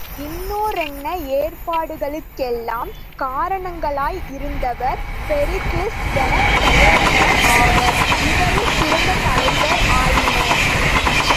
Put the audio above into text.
இன்னோரன்ன ஏற்பாடுகளுக் கெல்லாம், காரணர்களாய் இருந்தவர் பெரிகில்ஸ் எனப் பெயரினர் ஆவர். இவரே சிறந்த தலைவர் ஆயினர்.